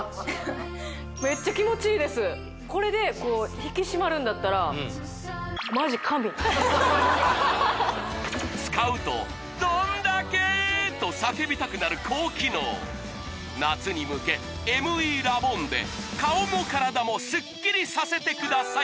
これで引き締まるんだったら使うと「どんだけ！」と叫びたくなる高機能夏に向けＭＥラボンで顔も体もスッキリさせてください